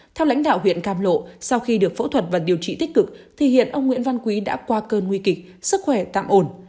theo lãnh đạo huyện cam lộ sau khi được phẫu thuật và điều trị tích cực thì hiện ông nguyễn văn quý đã qua cơn nguy kịch sức khỏe tạm ổn